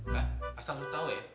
nah asal lu tau ya